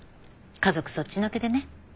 家族そっちのけでね。